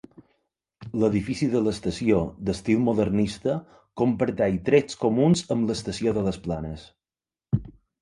L'edifici de l'estació, d'estil modernista, comparteix trets comuns amb l'estació de les Planes.